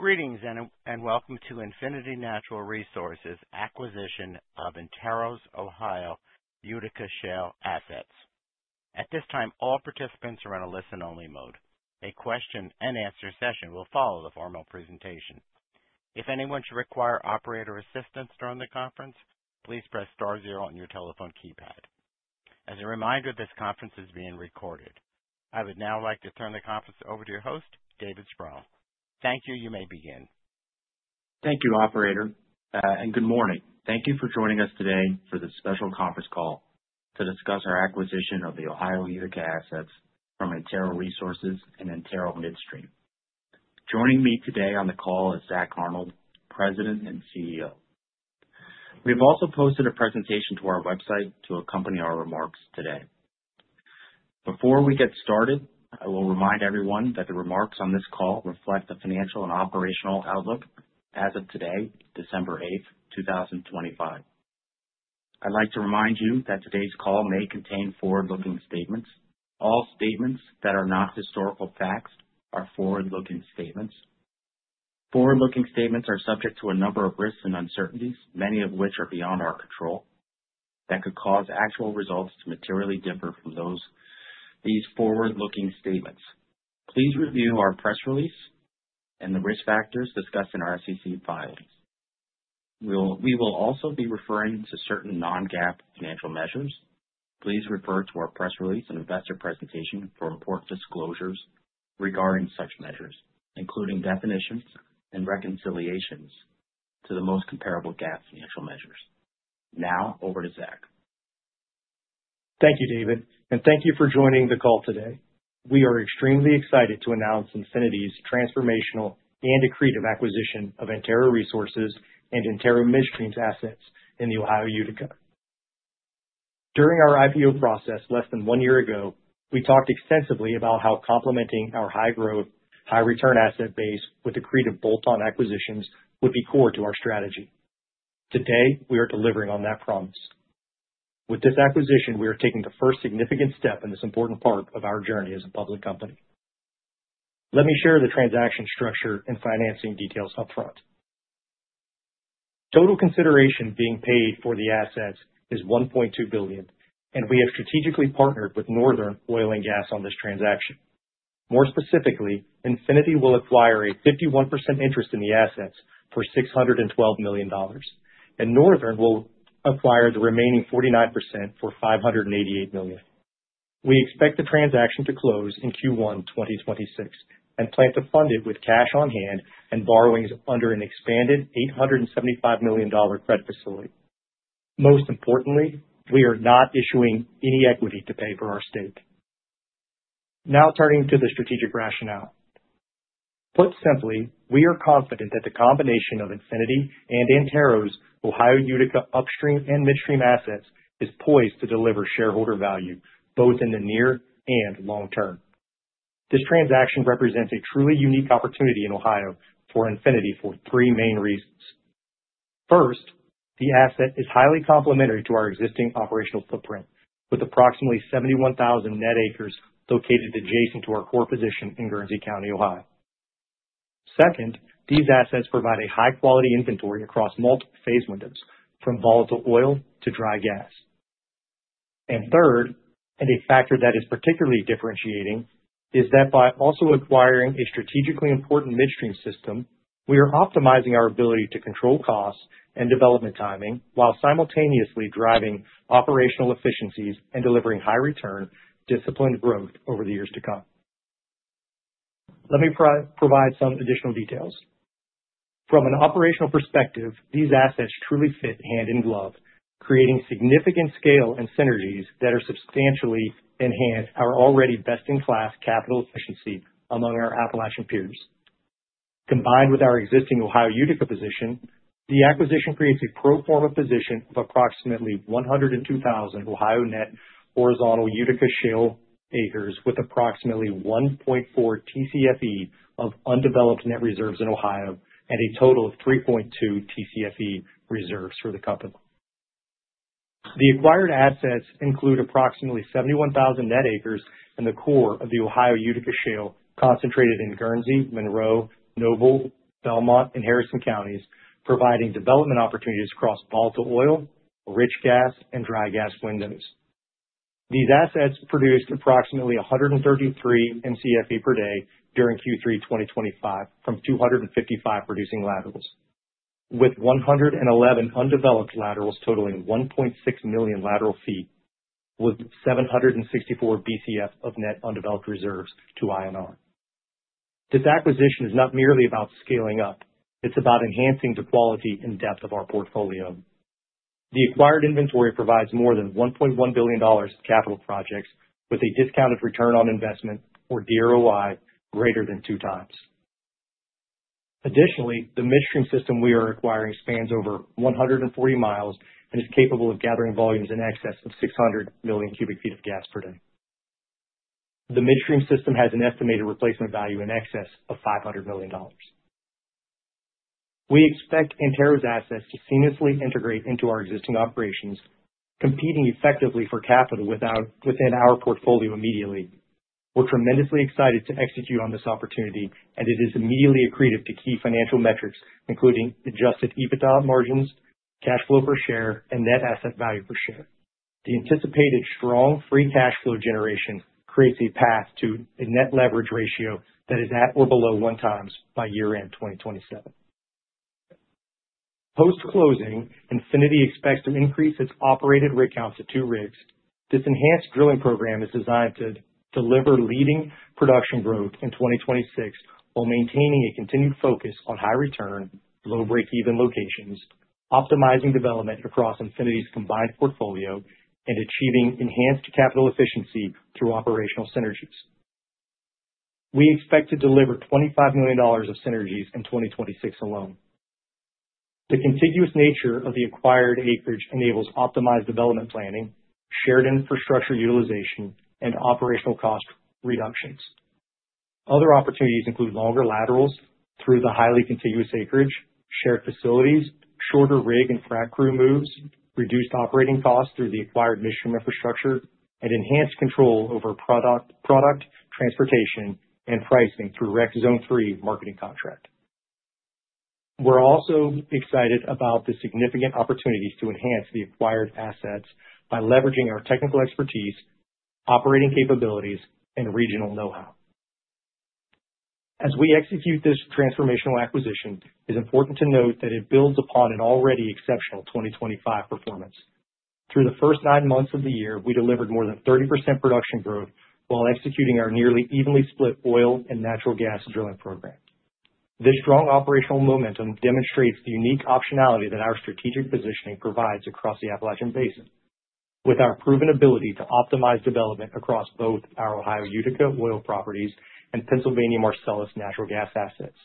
Greetings and welcome to Infinity Natural Resources' acquisition of Antero's Ohio Utica Shale assets. At this time, all participants are on a listen-only mode. A question-and-answer session will follow the formal presentation. If anyone should require operator assistance during the conference, please press star zero on your telephone keypad. As a reminder, this conference is being recorded. I would now like to turn the conference over to your host, David Sproule. Thank you, you may begin. Thank you, Operator, and good morning. Thank you for joining us today for this special conference call to discuss our acquisition of the Ohio Utica assets from Antero Resources and Antero Midstream. Joining me today on the call is Zack Arnold, President and CEO. We have also posted a presentation to our website to accompany our remarks today. Before we get started, I will remind everyone that the remarks on this call reflect the financial and operational outlook as of today, December 8, 2025. I'd like to remind you that today's call may contain forward-looking statements. All statements that are not historical facts are forward-looking statements. Forward-looking statements are subject to a number of risks and uncertainties, many of which are beyond our control, that could cause actual results to materially differ from those in these forward-looking statements. Please review our press release and the risk factors discussed in our SEC filings. We will also be referring to certain non-GAAP financial measures. Please refer to our press release and investor presentation for important disclosures regarding such measures, including definitions and reconciliations to the most comparable GAAP financial measures. Now, over to Zack. Thank you, David, and thank you for joining the call today. We are extremely excited to announce Infinity's transformational and accretive acquisition of Antero Resources and Antero Midstream assets in the Ohio Utica. During our IPO process less than one year ago, we talked extensively about how complementing our high-growth, high-return asset base with accretive bolt-on acquisitions would be core to our strategy. Today, we are delivering on that promise. With this acquisition, we are taking the first significant step in this important part of our journey as a public company. Let me share the transaction structure and financing details upfront. Total consideration being paid for the assets is $1.2 billion, and we have strategically partnered with Northern Oil and Gas on this transaction. More specifically, Infinity will acquire a 51% interest in the assets for $612 million, and Northern will acquire the remaining 49% for $588 million. We expect the transaction to close in Q1 2026 and plan to fund it with cash on hand and borrowings under an expanded $875 million credit facility. Most importantly, we are not issuing any equity to pay for our stake. Now, turning to the strategic rationale. Put simply, we are confident that the combination of Infinity and Antero's Ohio Utica upstream and midstream assets is poised to deliver shareholder value both in the near and long term. This transaction represents a truly unique opportunity in Ohio for Infinity for three main reasons. First, the asset is highly complementary to our existing operational footprint, with approximately 71,000 net acres located adjacent to our core position in Guernsey County, Ohio. Second, these assets provide a high-quality inventory across multiple phase windows, from volatile oil to dry gas. And third, and a factor that is particularly differentiating, is that by also acquiring a strategically important midstream system, we are optimizing our ability to control costs and development timing while simultaneously driving operational efficiencies and delivering high-return, disciplined growth over the years to come. Let me provide some additional details. From an operational perspective, these assets truly fit hand in glove, creating significant scale and synergies that are substantially enhancing our already best-in-class capital efficiency among our Appalachian peers. Combined with our existing Ohio Utica position, the acquisition creates a pro forma position of approximately 102,000 Ohio net horizontal Utica Shale acres with approximately 1.4 TCFE of undeveloped net reserves in Ohio and a total of 3.2 TCFE reserves for the company. The acquired assets include approximately 71,000 net acres in the core of the Ohio Utica Shale concentrated in Guernsey, Monroe, Noble, Belmont, and Harrison counties, providing development opportunities across volatile oil, rich gas, and dry gas windows. These assets produced approximately 133 MMcfe per day during Q3 2025 from 255 producing laterals, with 111 undeveloped laterals totaling 1.6 million lateral feet, with 764 BCF of net undeveloped reserves to INR. This acquisition is not merely about scaling up. It's about enhancing the quality and depth of our portfolio. The acquired inventory provides more than $1.1 billion capital projects with a discounted return on investment, or DROI, greater than two times. Additionally, the midstream system we are acquiring spans over 140 miles and is capable of gathering volumes in excess of 600 million cubic feet of gas per day. The midstream system has an estimated replacement value in excess of $500 million. We expect Antero's assets to seamlessly integrate into our existing operations, competing effectively for capital within our portfolio immediately. We're tremendously excited to execute on this opportunity, and it is immediately accretive to key financial metrics, including adjusted EBITDA margins, cash flow per share, and net asset value per share. The anticipated strong free cash flow generation creates a path to a net leverage ratio that is at or below one times by year-end 2027. Post-closing, Infinity expects to increase its operated rig counts to two rigs. This enhanced drilling program is designed to deliver leading production growth in 2026 while maintaining a continued focus on high-return, low breakeven locations, optimizing development across Infinity's combined portfolio, and achieving enhanced capital efficiency through operational synergies. We expect to deliver $25 million of synergies in 2026 alone. The contiguous nature of the acquired acreage enables optimized development planning, shared infrastructure utilization, and operational cost reductions. Other opportunities include longer laterals through the highly contiguous acreage, shared facilities, shorter rig and frac crew moves, reduced operating costs through the acquired midstream infrastructure, and enhanced control over product, transportation, and pricing through REX Zone 3 marketing contract. We're also excited about the significant opportunities to enhance the acquired assets by leveraging our technical expertise, operating capabilities, and regional know-how. As we execute this transformational acquisition, it is important to note that it builds upon an already exceptional 2025 performance. Through the first nine months of the year, we delivered more than 30% production growth while executing our nearly evenly split oil and natural gas drilling program. This strong operational momentum demonstrates the unique optionality that our strategic positioning provides across the Appalachian Basin, with our proven ability to optimize development across both our Ohio Utica oil properties and Pennsylvania Marcellus natural gas assets.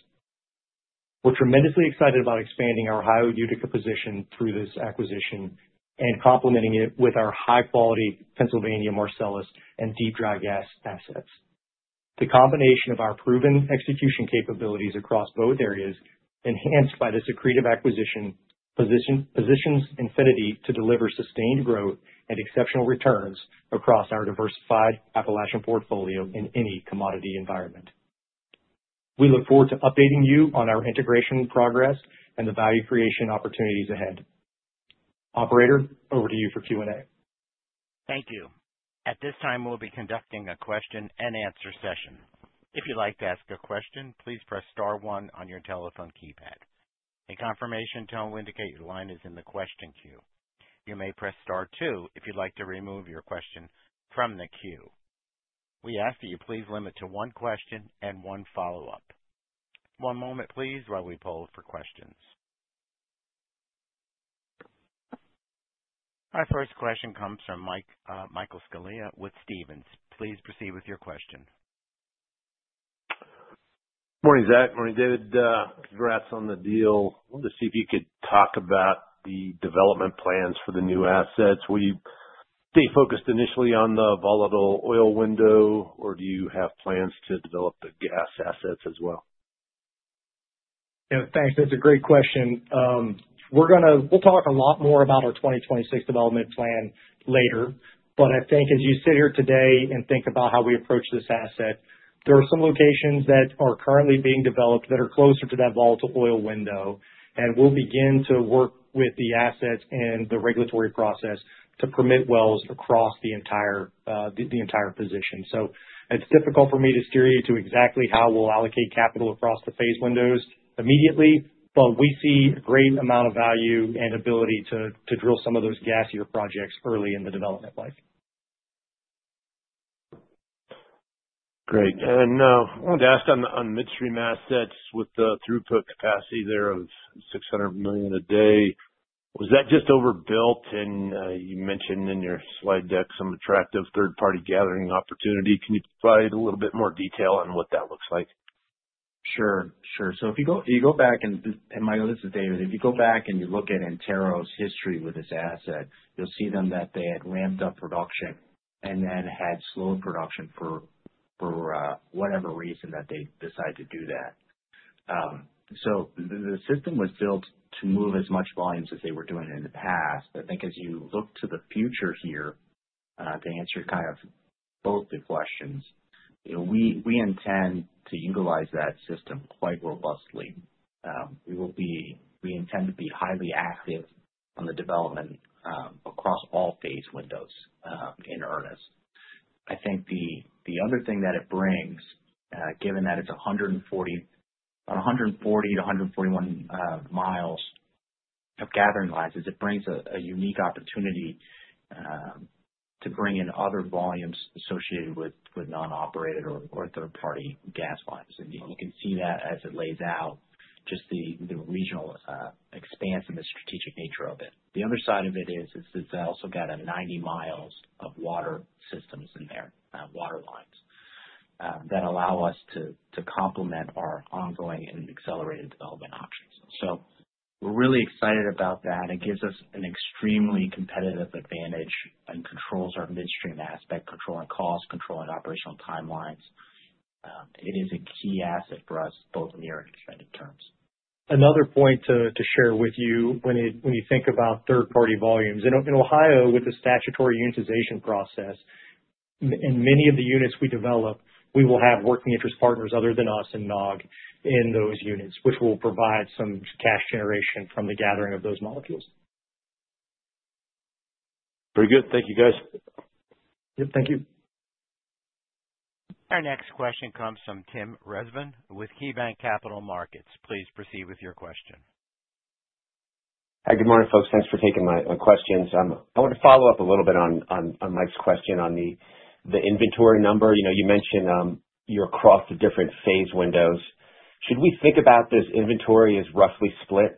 We're tremendously excited about expanding our Ohio Utica position through this acquisition and complementing it with our high-quality Pennsylvania Marcellus and deep dry gas assets. The combination of our proven execution capabilities across both areas, enhanced by this accretive acquisition, positions Infinity to deliver sustained growth and exceptional returns across our diversified Appalachian portfolio in any commodity environment. We look forward to updating you on our integration progress and the value creation opportunities ahead. Operator, over to you for Q&A. Thank you. At this time, we'll be conducting a question-and-answer session. If you'd like to ask a question, please press star one on your telephone keypad. A confirmation tone will indicate your line is in the question queue. You may press star two if you'd like to remove your question from the queue. We ask that you please limit to one question and one follow-up. One moment, please, while we poll for questions. Our first question comes from Michael Scialla with Stephens. Please proceed with your question. Morning, Zack. Morning, David. Congrats on the deal. I wanted to see if you could talk about the development plans for the new assets. Were you focused initially on the volatile oil window, or do you have plans to develop the gas assets as well? Yeah, thanks. That's a great question. We'll talk a lot more about our 2026 development plan later, but I think as you sit here today and think about how we approach this asset, there are some locations that are currently being developed that are closer to that volatile oil window, and we'll begin to work with the assets and the regulatory process to permit wells across the entire position. So it's difficult for me to steer you to exactly how we'll allocate capital across the phase windows immediately, but we see a great amount of value and ability to drill some of those gassier projects early in the development life. Great. And I wanted to ask on the midstream assets with the throughput capacity there of 600 million a day. Was that just overbuilt, and you mentioned in your slide deck some attractive third-party gathering opportunity? Can you provide a little bit more detail on what that looks like? Sure, sure. So if you go back, and Michael, this is David. If you go back and you look at Antero's history with this asset, you'll see then that they had ramped up production and then had slowed production for whatever reason that they decided to do that. So the system was built to move as much volumes as they were doing in the past. I think as you look to the future here, to answer kind of both the questions, we intend to utilize that system quite robustly. We intend to be highly active on the development across all phase windows in earnest. I think the other thing that it brings, given that it's 140-141 miles of gathering lines, is it brings a unique opportunity to bring in other volumes associated with non-operated or third-party gas lines. You can see that as it lays out just the regional expanse and the strategic nature of it. The other side of it is that they also got 90 miles of water systems in here, water lines, that allow us to complement our ongoing and accelerated development options. We're really excited about that. It gives us an extremely competitive advantage and controls our midstream aspect, controlling costs, controlling operational timelines. It is a key asset for us both near and extended terms. Another point to share with you when you think about third-party volumes. In Ohio, with the statutory unitization process, in many of the units we develop, we will have working interest partners other than us and NOG in those units, which will provide some cash generation from the gathering of those molecules. Very good. Thank you, guys. Yep, thank you. Our next question comes from Tim Rezvan with KeyBanc Capital Markets. Please proceed with your question. Hi, good morning, folks. Thanks for taking my questions. I want to follow up a little bit on Mike's question on the inventory number. You mentioned you're across the different phase windows. Should we think about this inventory as roughly split,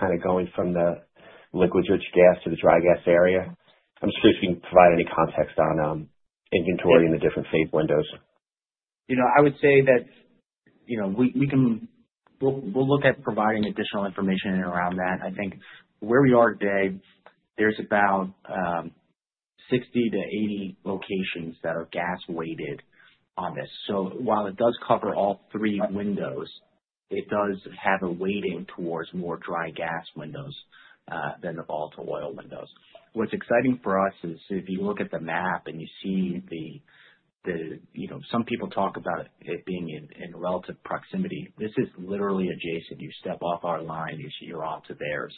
kind of going from the liquid-rich gas to the dry gas area? I'm just curious if you can provide any context on inventory and the different phase windows. You know, I would say that we'll look at providing additional information around that. I think where we are today, there's about 60-80 locations that are gas-weighted on this. So while it does cover all three windows, it does have a weighting towards more dry gas windows than the volatile oil windows. What's exciting for us is if you look at the map and you see the. Some people talk about it being in relative proximity. This is literally adjacent. You step off our line, you're onto theirs.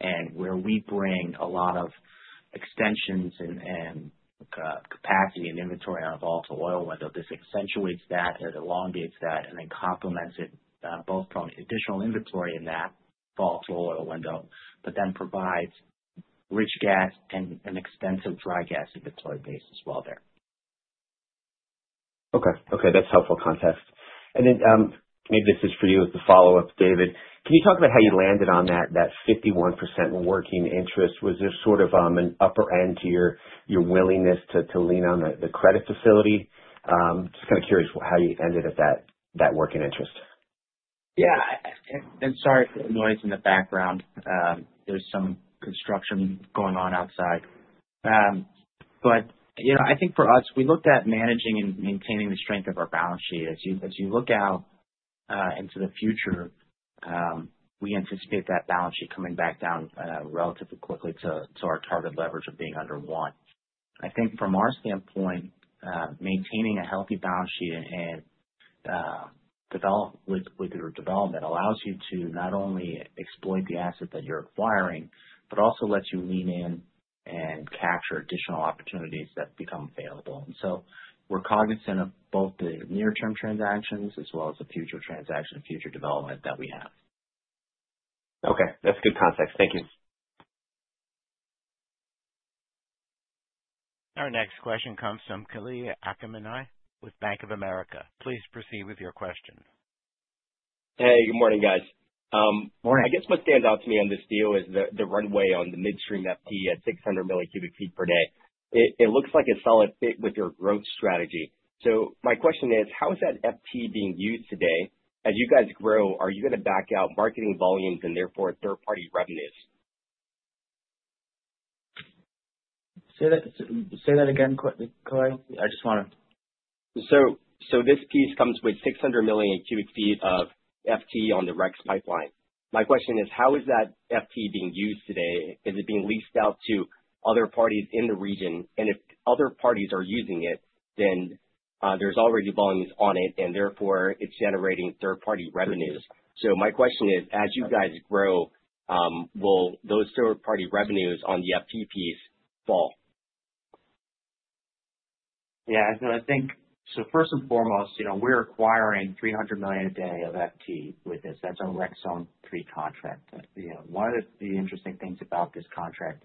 And where we bring a lot of extensions and capacity and inventory on volatile oil, whether this accentuates that or it elongates that and then complements it both from additional inventory in that volatile oil window, but then provides rich gas and an extensive dry gas inventory base as well there. Okay, okay. That's helpful context. And then maybe this is for you as the follow-up, David. Can you talk about how you landed on that 51% working interest? Was there sort of an upper end to your willingness to lean on the credit facility? Just kind of curious how you ended up at that working interest? Yeah, I'm sorry for the noise in the background. There's some construction going on outside, but I think for us, we looked at managing and maintaining the strength of our balance sheet. As you look out into the future, we anticipate that balance sheet coming back down relatively quickly to our target leverage of being under one. I think from our standpoint, maintaining a healthy balance sheet and development allows you to not only exploit the asset that you're acquiring, but also lets you lean in and capture additional opportunities that become available, and so we're cognizant of both the near-term transactions as well as the future transaction and future development that we have. Okay, that's good context. Thank you. Our next question comes from Kalei Akamine with Bank of America. Please proceed with your question. Hey, good morning, guys. I guess what stands out to me on this deal is the runway on the midstream FT at 600 million cubic feet per day. It looks like a solid fit with your growth strategy. So my question is, how is that FT being used today? As you guys grow, are you going to back out marketing volumes and therefore third-party revenues? Say that again, Kalei. I just want to. So this piece comes with 600 million cubic feet of FT on the REX pipeline. My question is, how is that FT being used today? Is it being leased out to other parties in the region? And if other parties are using it, then there's already volumes on it, and therefore it's generating third-party revenues. So my question is, as you guys grow, will those third-party revenues on the FT piece fall? Yeah, I think so. First and foremost, we're acquiring 300 million a day of FT with this. That's our REX Zone 3 contract. One of the interesting things about this contract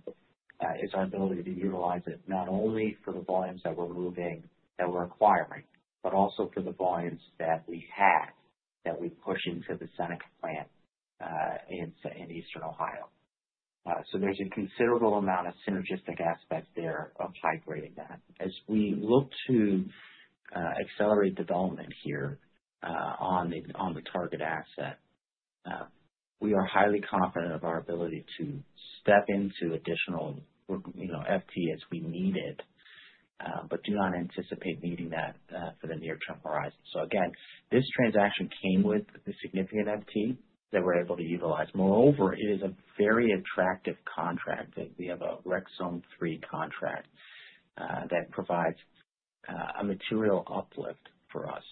is our ability to utilize it not only for the volumes that we're moving, that we're acquiring, but also for the volumes that we have that we push into the Seneca plant in Eastern Ohio, so there's a considerable amount of synergistic aspect there of high-grading that. As we look to accelerate development here on the target asset, we are highly confident of our ability to step into additional FT as we need it, but do not anticipate needing that for the near-term horizon, so again, this transaction came with the significant FT that we're able to utilize. Moreover, it is a very attractive contract. We have a REX Zone 3 contract that provides a material uplift for us.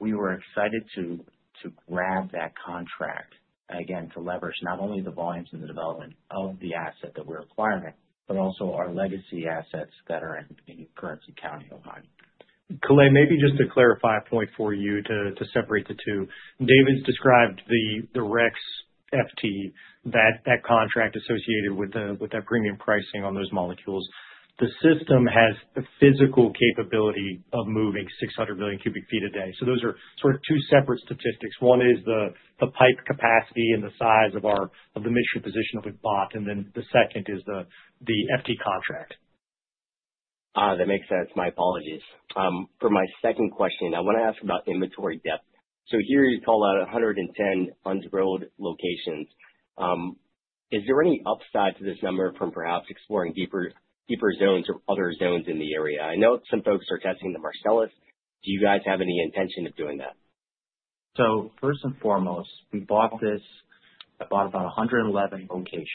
We were excited to grab that contract, again, to leverage not only the volumes and the development of the asset that we're acquiring, but also our legacy assets that are in Guernsey County, Ohio. Kalei, maybe just to clarify a point for you to separate the two. David's described the REX FT, that contract associated with that premium pricing on those molecules. The system has a physical capability of moving 600 million cubic feet a day. So those are sort of two separate statistics. One is the pipe capacity and the size of the midstream position that we've bought, and then the second is the FT contract. That makes sense. My apologies. For my second question, I want to ask about inventory depth. So here you call out 110 underground locations. Is there any upside to this number from perhaps exploring deeper zones or other zones in the area? I know some folks are testing the Marcellus. Do you guys have any intention of doing that? So first and foremost, we bought this. I bought about 111 locations,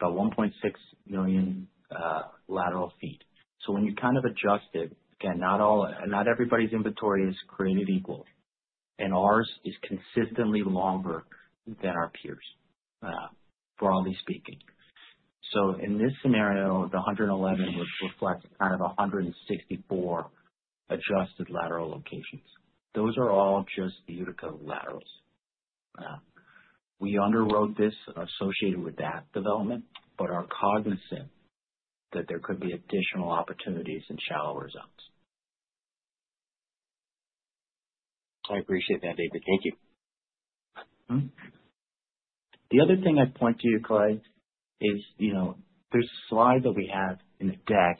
about 1.6 million lateral feet. So when you kind of adjust it, again, not everybody's inventory is created equal. And ours is consistently longer than our peers, broadly speaking. So in this scenario, the 111 would reflect kind of 164 adjusted lateral locations. Those are all just beautiful laterals. We underwrote this associated with that development, but are cognizant that there could be additional opportunities in shallower zones. I appreciate that, David. Thank you. The other thing I'd point to you, Kalei, is there's a slide that we have in the deck.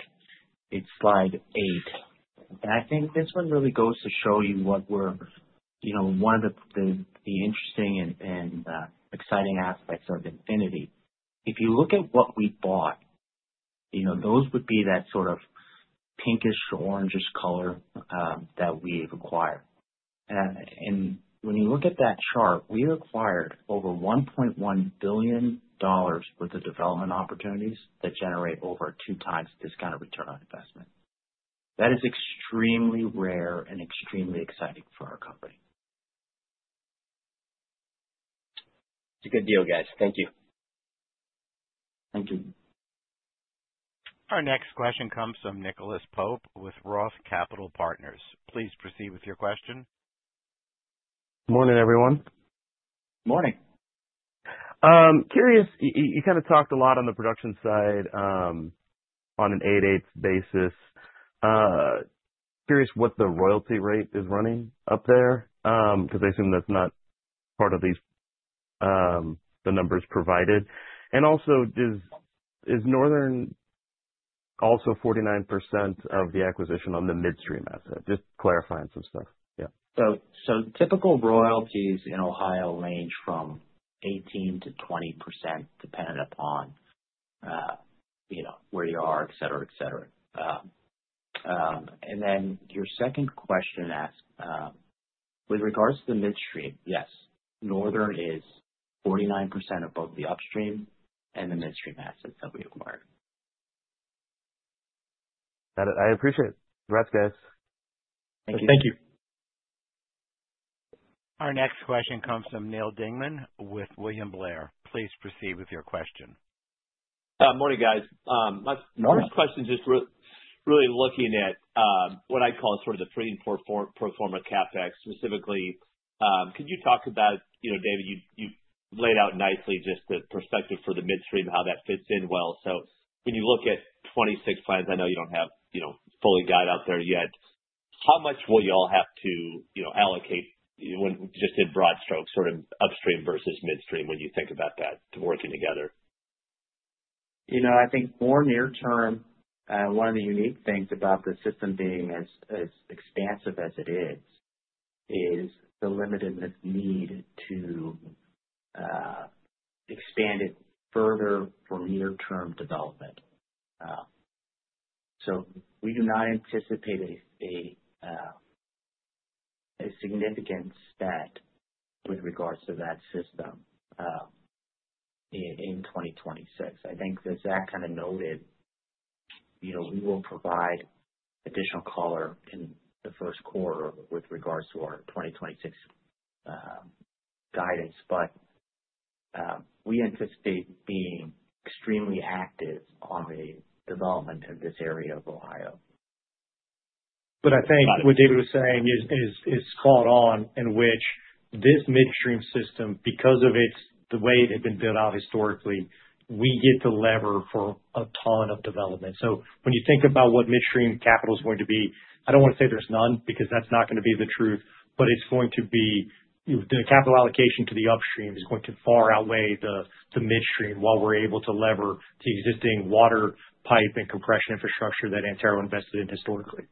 It's slide eight. I think this one really goes to show you what we're, one of the interesting and exciting aspects of Infinity. If you look at what we bought, those would be that sort of pinkish, orangish color that we've acquired. And when you look at that chart, we acquired over $1.1 billion worth of development opportunities that generate over two times discounted return on investment. That is extremely rare and extremely exciting for our company. It's a good deal, guys. Thank you. Thank you. Our next question comes from Nicholas Pope with Roth Capital Partners. Please proceed with your question. Morning, everyone. Morning. Curious, you kind of talked a lot on the production side on an eight-eighths basis. Curious what the royalty rate is running up there, because they seem that's not part of the numbers provided. And also, is Northern also 49% of the acquisition on the midstream asset? Just clarifying some stuff. Yeah. Typical royalties in Ohio range from 18%-20%, depending upon where you are, etc. Then your second question asked, with regards to the midstream, yes, Northern is 49% above the upstream and the midstream assets that we acquired. Got it. I appreciate it. Conrats, guys. Thank you. Thank you. Our next question comes from Neal Dingman with William Blair. Please proceed with your question. Morning, guys. My first question is just really looking at what I call sort of the three and four pro forma CapEx. Specifically, could you talk about, David, you've laid out nicely just the perspective for the midstream, how that fits in well. So when you look at 26 plans, I know you don't have fully got out there yet. How much will y'all have to allocate just in broad strokes, sort of upstream versus midstream when you think about that working together? You know, I think more near-term, one of the unique things about the system being as expansive as it is, is the limited need to expand it further for near-term development. So we do not anticipate a significant CapEx with regards to that system in 2026. I think that Zack kind of noted we will provide additional color in the first quarter with regards to our 2026 guidance, but we anticipate being extremely active on the development of this area of Ohio. But I think what David was saying has caught on, in which this midstream system, because of the way it had been built out historically, we get to leverage for a ton of development. So when you think about what midstream capital is going to be, I don't want to say there's none, because that's not going to be the truth, but it's going to be the capital allocation to the upstream is going to far outweigh the midstream while we're able to leverage the existing water pipe and compression infrastructure that Antero invested in historically.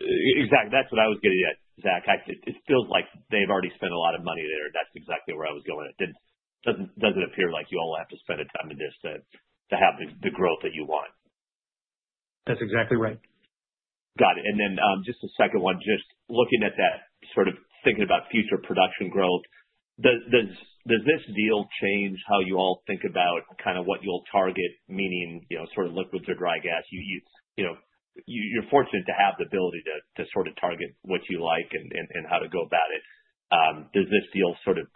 Exactly. That's what I was getting at, Zack. Actually, it feels like they've already spent a lot of money there. That's exactly where I was going. It doesn't appear like you all have to spend a ton of this to have the growth that you want. That's exactly right. Got it. And then just a second one, just looking at that, sort of thinking about future production growth, does this deal change how you all think about kind of what you'll target, meaning sort of liquids or dry gas? You're fortunate to have the ability to sort of target what you like and how to go about it. Does this deal sort of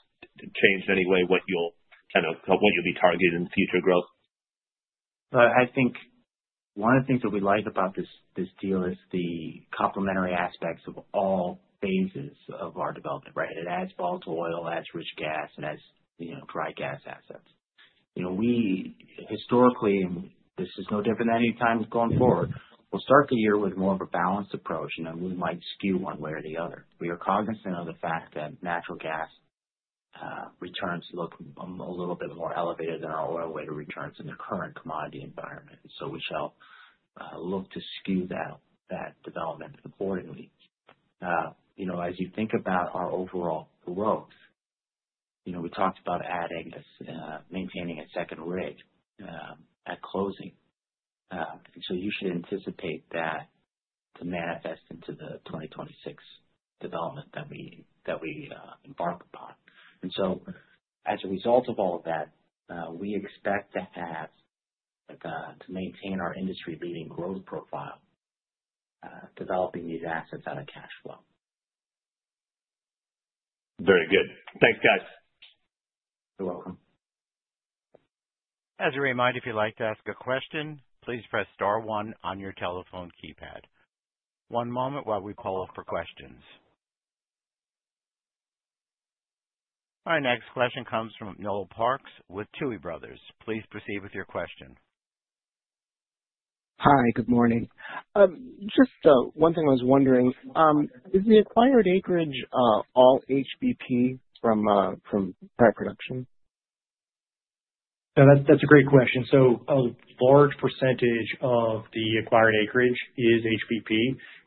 change any way what you'll be targeting in future growth? I think one of the things that we like about this deal is the complementary aspects of all phases of our development, right? It has volatile oil, it has rich gas, it has dry gas assets. We historically, and this is no different than any time going forward, will start the year with more of a balanced approach, and then we might skew one way or the other. We are cognizant of the fact that natural gas returns look a little bit more elevated than our oil-weighted returns in the current commodity environment, so we shall look to skew that development accordingly. As you think about our overall growth, we talked about maintaining a second rig at closing, and so you should anticipate that to manifest into the 2026 development that we embark upon, and so as a result of all of that, we expect to maintain our industry-leading growth profile developing these assets out of cash flow. Very good. Thanks, guys. You're welcome. As a reminder, if you'd like to ask a question, please press star one on your telephone keypad. One moment while we call for questions. Our next question comes from Noel Parks with Tuohy Brothers. Please proceed with your question. Hi, good morning. Just one thing I was wondering, is the acquired acreage all HBP from current production? That's a great question. So a large percentage of the acquired acreage is HBP,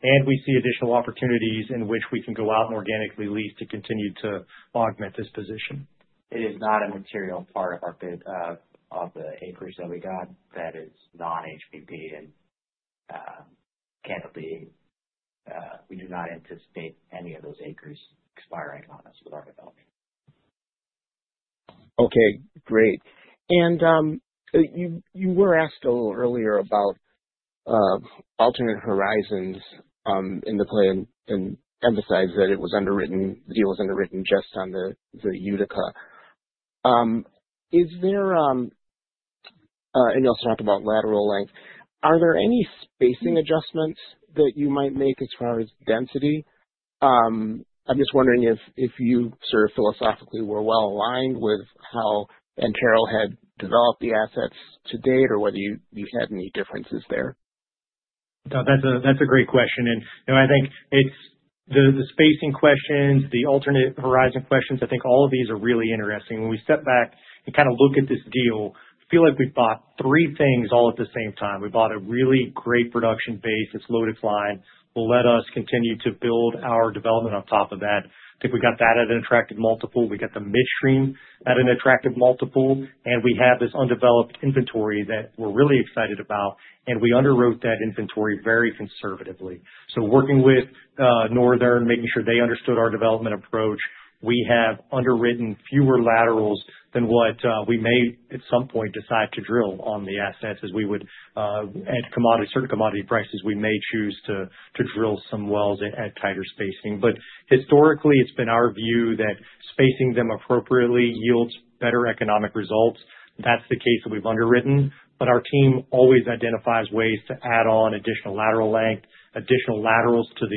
and we see additional opportunities in which we can go out and organically lease to continue to augment this position. It is not a material part of the acreage that we got that is not HBP. We do not anticipate any of those acres expiring on us with our development. Okay, great. And you were asked a little earlier about alternate horizons in the plan and emphasized that the deal was underwritten just on the Utica. I know I've talked about lateral length. Are there any spacing adjustments that you might make as far as density? I'm just wondering if you sort of philosophically were well aligned with how Antero had developed the assets to date or whether you had any differences there? No, that's a great question, and I think the spacing questions, the alternate horizon questions, I think all of these are really interesting. When we step back and kind of look at this deal, I feel like we've bought three things all at the same time. We bought a really great production base that's loaded, flying, will let us continue to build our development on top of that. I think we got that at an attractive multiple. We got the midstream at an attractive multiple, and we have this undeveloped inventory that we're really excited about, and we underwrote that inventory very conservatively, so working with Northern, making sure they understood our development approach. We have underwritten fewer laterals than what we may at some point decide to drill on the assets. As we would add certain commodity prices, we may choose to drill some wells at tighter spacing. But historically, it's been our view that spacing them appropriately yields better economic results. That's the case that we've underwritten. But our team always identifies ways to add on additional lateral length, additional laterals to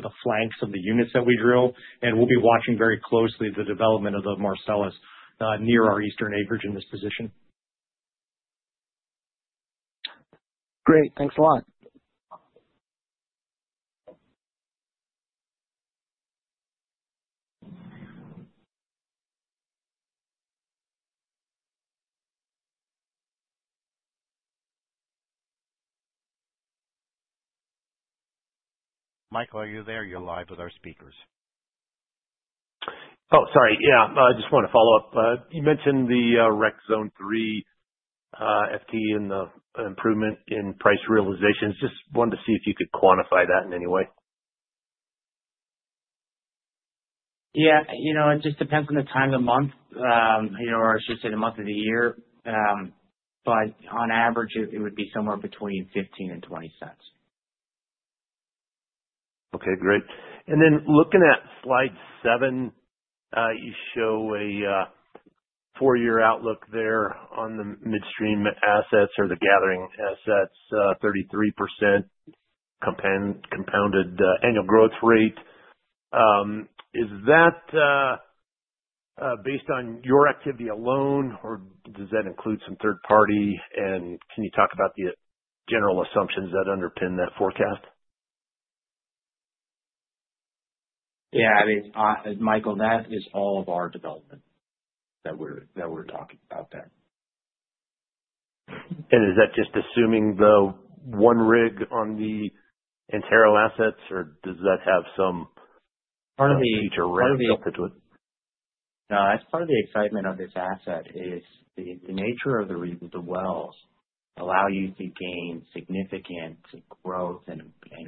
the flanks of the units that we drill. And we'll be watching very closely the development of the Marcellus near our eastern acreage in this position. Great. Thanks a lot. Michael, are you there? You're live with our speakers. Oh, sorry. Yeah. I just wanted to follow up. You mentioned the REX Zone 3 FT and the improvement in price realization. Just wanted to see if you could quantify that in any way. Yeah. It just depends on the time of the month, or I should say the month of the year. But on average, it would be somewhere between $0.15 and $0.20. Okay, great. And then looking at slide seven, you show a four-year outlook there on the midstream assets or the gathering assets, 33% compounded annual growth rate. Is that based on your activity alone, or does that include some third party? And can you talk about the general assumptions that underpin that forecast? Yeah. Michael, that is all of our development that we're talking about there. Is that just assuming the one rig on the Antero assets, or does that have some future revenue? No, that's part of the excitement of this asset is the nature of the wells allow you to gain significant growth and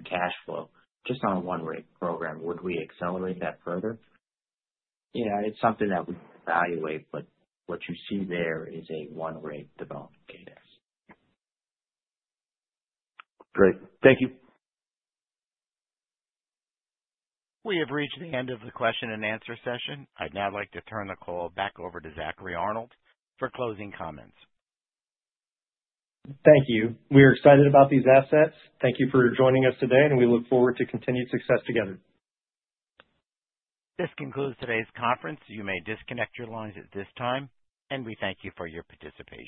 cash flow just on a one-rig program. Would we accelerate that further? Yeah, it's something that we evaluate, but what you see there is a one-rig development data. Great. Thank you. We have reached the end of the question and answer session. I'd now like to turn the call back over to Zack Arnold for closing comments. Thank you. We are excited about these assets. Thank you for joining us today, and we look forward to continued success together. This concludes today's conference. You may disconnect your lines at this time, and we thank you for your participation.